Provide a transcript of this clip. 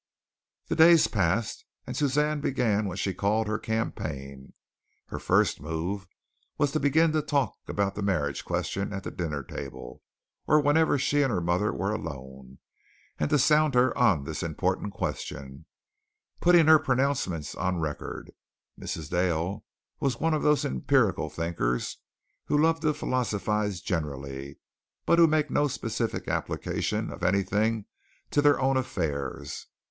The days passed and Suzanne began what she called her campaign. Her first move was to begin to talk about the marriage question at the dinner table, or whenever she and her mother were alone, and to sound her on this important question, putting her pronouncements on record. Mrs. Dale was one of those empirical thinkers who love to philosophize generally, but who make no specific application of anything to their own affairs.